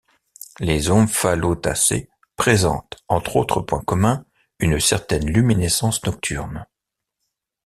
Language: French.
Les Omphalotacées présentent, entre autres points communs, une certaine luminescence nocturne.